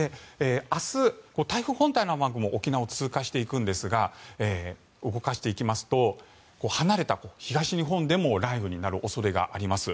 明日、台風本体の雨雲が沖縄を通過していくんですが動かしていきますと離れた東日本でも雷雨になる恐れがあります。